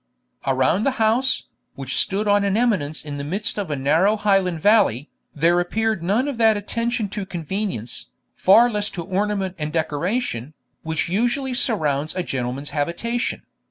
Around the house, which stood on an eminence in the midst of a narrow Highland valley, there appeared none of that attention to convenience, far less to ornament and decoration, which usually surrounds a gentleman's habitation.